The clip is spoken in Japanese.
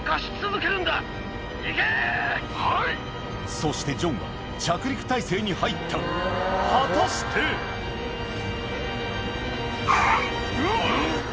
そしてジョンは着陸態勢に入った果たして⁉うわ！